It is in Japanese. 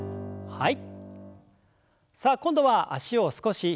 はい。